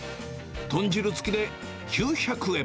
豚汁付きで９００円。